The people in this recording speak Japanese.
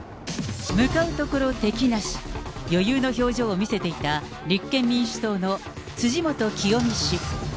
向かうところ敵なし、余裕の表情を見せていた立憲民主党の辻元清美氏。